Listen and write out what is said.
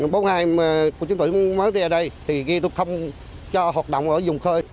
bộ hai của chúng tôi mới ra đây thì tôi không cho hoạt động ở vùng khơi